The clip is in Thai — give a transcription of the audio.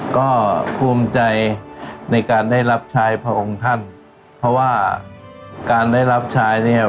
ก็ภูมิใจในการได้รับชายพระองค์ท่านเพราะว่าการได้รับชายเนี่ย